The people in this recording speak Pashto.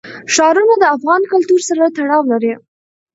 ښارونه د افغان کلتور سره تړاو لري.